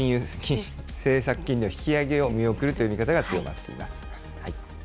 政策金利の引き上げを見送るという見方が強まっています。